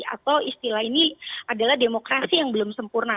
atau istilah ini adalah demokrasi yang belum sempurna